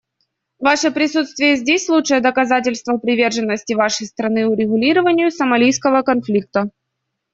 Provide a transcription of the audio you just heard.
Ваше присутствие здесь — лучшее доказательство приверженности Вашей страны урегулированию сомалийского конфликта.